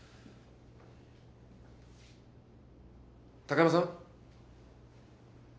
高山さん？